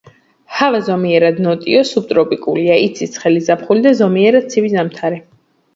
ჰავა ზომიერად ნოტიო სუბტროპიკულია; იცის ცხელი ზაფხული და ზომიერად ცივი ზამთარი.